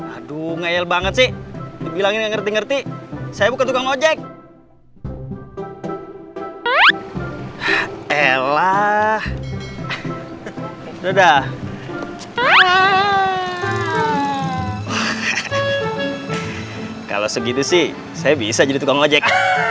aduh ngel banget sih bilang ngerti ngerti saya bukan tukang ojek